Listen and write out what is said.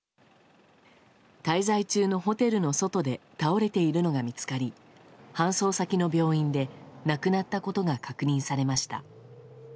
滞在中のホテルの外で倒れているのが見つかり搬送先の病院で亡くなったことが確認されました。